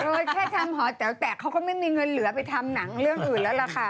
โดยแค่ทำหอแต๋วแตกเขาก็ไม่มีเงินเหลือไปทำหนังเรื่องอื่นแล้วล่ะค่ะ